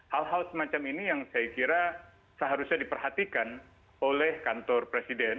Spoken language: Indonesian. hal hal semacam ini yang saya kira seharusnya diperhatikan oleh kantor presiden